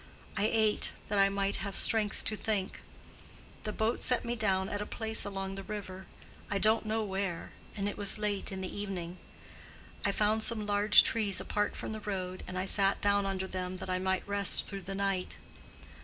I ate, that I might have strength to think. The boat set me down at a place along the river—I don't know where—and it was late in the evening. I found some large trees apart from the road, and I sat down under them that I might rest through the night.